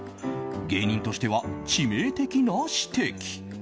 芸人としては致命的な指摘。